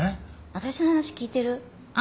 私の話聞いてる？